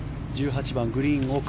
１８番、グリーン奥